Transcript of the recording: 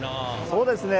そうですね